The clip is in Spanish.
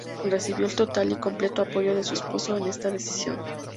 Recibió el total y completo apoyo de su esposo en esta decisión.